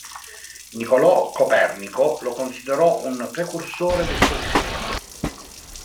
Niccolò Copernico lo considerò un precursore del suo sistema.